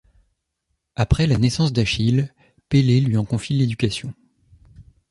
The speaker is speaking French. Après la naissance d'Achille, Pélée lui en confie l'éducation.